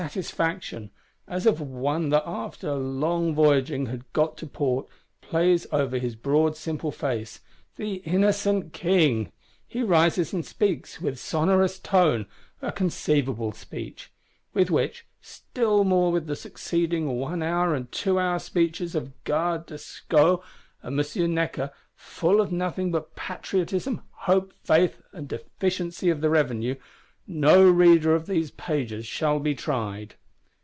Satisfaction, as of one that after long voyaging had got to port, plays over his broad simple face: the innocent King! He rises and speaks, with sonorous tone, a conceivable speech. With which, still more with the succeeding one hour and two hour speeches of Garde des Sceaux and M. Necker, full of nothing but patriotism, hope, faith, and deficiency of the revenue,—no reader of these pages shall be tried.